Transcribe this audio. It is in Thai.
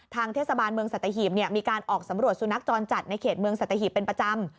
ทางเทศบาลเมืองสัตหีบมีการออกสำรวจสุนัขจรจัดในเขตเมืองสัตหีบเป็นประจำ